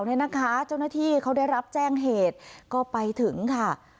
เจ้าหน้าที่เขาได้รับแจ้งเหตุก็ไปถึงค่ะ